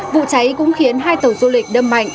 vụ cháy cũng khiến hai tàu du lịch đâm mạnh